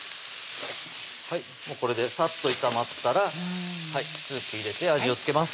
はいもうこれでサッと炒まったらスープ入れて味を付けます